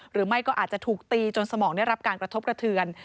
หรือไม่ก็อาจจะถูกตีจนสมองได้รับการกระทบกระเทือน